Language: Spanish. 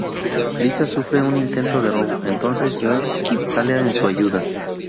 Lisa sufre un intento de robo, entonces Joe sale en su ayuda.